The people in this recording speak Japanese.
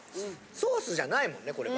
ソースじゃないもんね。